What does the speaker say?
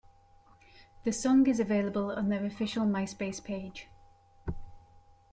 The song is available on their official MySpace page.